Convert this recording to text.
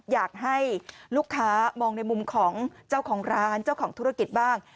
อยากให้ลูกค้ามองในมุมของเจ้าของร้านเจ้าของธุรกิจบ้าง